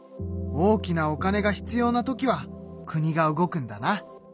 大きなお金が必要な時は国が動くんだな。